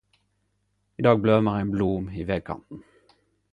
I dag blømar ein blom i vegkanten